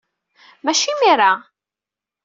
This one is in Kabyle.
Maci imir-a!